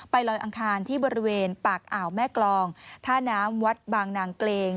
ลอยอังคารที่บริเวณปากอ่าวแม่กรองท่าน้ำวัดบางนางเกลง